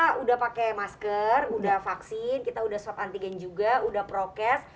kita udah pakai masker udah vaksin kita udah swab antigen juga udah prokes